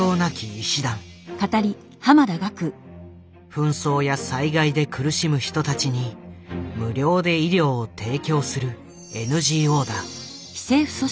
紛争や災害で苦しむ人たちに無料で医療を提供するＮＧＯだ。